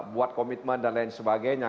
buat komitmen dan lain sebagainya